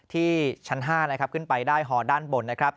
ที่ชั้น๕ขึ้นไปได้หอด้านบนนะครับ